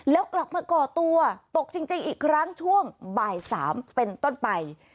แล้วกลับมาก่อตัวตกจริงอีกครั้งช่วงบ่าย๓เป็นต้นไป